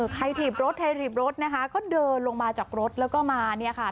ถีบรถใครถีบรถนะคะก็เดินลงมาจากรถแล้วก็มาเนี่ยค่ะ